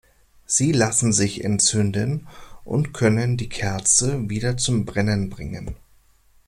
Sie lassen sich entzünden und können die Kerze wieder zum Brennen bringen.